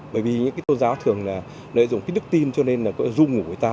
bởi vì những tôn giáo thường lợi dụng đức tin cho nên ru ngủ người ta